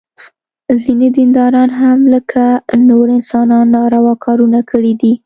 ځینې دینداران هم لکه نور انسانان ناروا کارونه کړي دي.